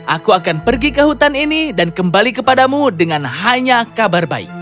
aku akan pergi ke hutan ini dan kembali kepadamu dengan hanya kabar baik